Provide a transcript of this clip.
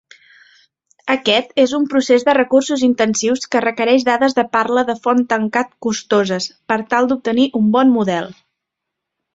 Aquest és un procés de recursos intensius que requereix dades de parla de font tancat costoses per tal d'obtenir un bon model.